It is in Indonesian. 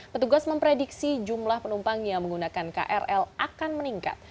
petugas memprediksi jumlah penumpang yang menggunakan krl akan meningkat